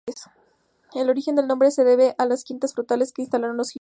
El origen del nombre se debe a las quintas frutales que instalaron los jesuitas.